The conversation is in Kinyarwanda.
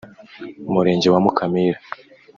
mu murenge wa Mukamira